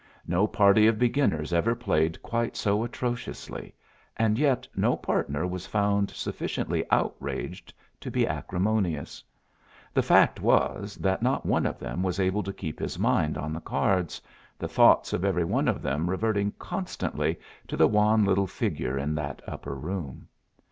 No party of beginners ever played quite so atrociously, and yet no partner was found sufficiently outraged to be acrimonious. The fact was that not one of them was able to keep his mind on the cards, the thoughts of every one of them reverting constantly to the wan little figure in that upper room.